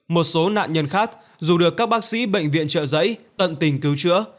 một số nạn nhân khác dù được các bác sĩ bệnh viện trợ giấy tận tình cứu chữa